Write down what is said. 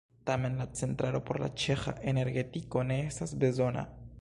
Tamen la centralo por la ĉeĥa energetiko ne estas bezona.